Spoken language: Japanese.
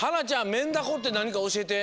メンダコってなにかおしえて。